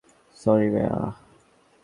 Sorry, মা।